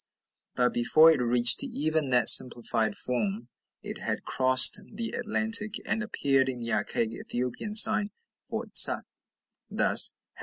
But before it reached even that simplified form it had crossed the Atlantic, and appeared in the archaic Ethiopian sign for tsa, thus, ###